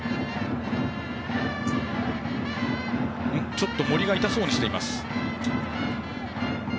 ちょっと森が痛そうにしています。